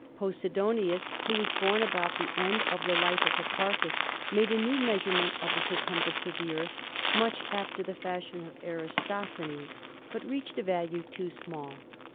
Posidonius, who was born about the end of the life of Hipparchus, made a new measurement of the circumference of the Earth, much after the fashion of that of Erathosthenes, but reaching a value too small.